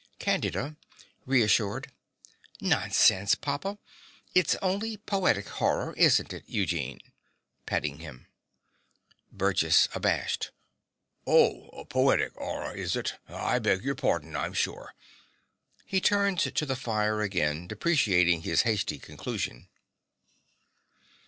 CANDIDA (reassured). Nonsense, papa. It's only poetic horror, isn't it, Eugene? (Petting him.) BURGESS (abashed). Oh, poetic 'orror, is it? I beg your pordon, I'm shore. (He turns to the fire again, deprecating his hasty conclusion.)